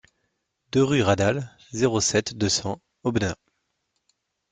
deux rue Radal, zéro sept, deux cents Aubenas